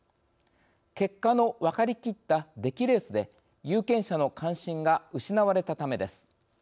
結果の分かりきった出来レースで有権者の関心が失われたためです。